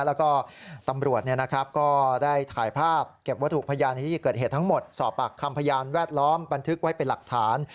แล้วก็ตำรวจก็ได้ถ่ายภาพเก็บวัตถุพยานในที่เกิดเหตุทั้งหมดสอบปากคำพยานแวดล้อมบันทึกไว้เป็นหลักฐาน